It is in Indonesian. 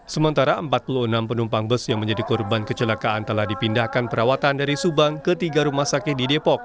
sementara empat puluh enam penumpang bus yang menjadi korban kecelakaan telah dipindahkan perawatan dari subang ke tiga rumah sakit di depok